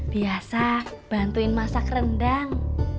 biasa bantuin masak rendang